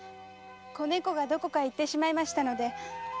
子猫がどこかへ行ってしまいましたので。